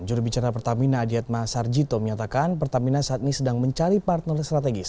jurubicara pertamina adiatma sarjito menyatakan pertamina saat ini sedang mencari partner strategis